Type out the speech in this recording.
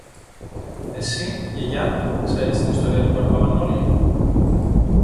Εσύ, Γιαγιά, ξέρεις την ιστορία του μπαρμπα-Μανόλη;